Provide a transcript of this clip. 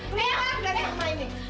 keluar dari rumah ini